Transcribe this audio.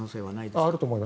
あると思います。